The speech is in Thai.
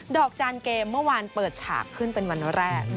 จานเกมเมื่อวานเปิดฉากขึ้นเป็นวันแรก